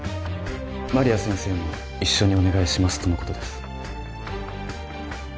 麻里亜先生も一緒にお願いしますとのことです。